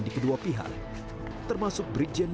di dunia tempat rakyat